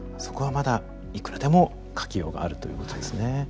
そこはまだいくらでも書きようがあるということですね。